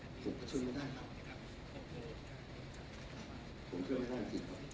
ผมเชื่อไม่ได้จริง